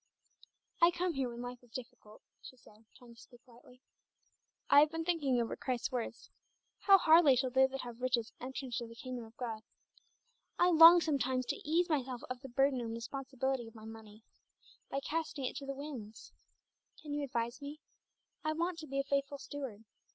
"I come here when life is difficult," she said, trying to speak lightly. "I have been thinking over Christ's words, 'How hardly shall they that have riches enter into the kingdom of God.' I long sometimes to ease myself of the burden and responsibility of my money, by casting it to the winds. Can you advise me? I want to be a faithful steward.